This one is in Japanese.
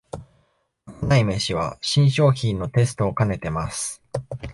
まかない飯は新商品のテストをかねてます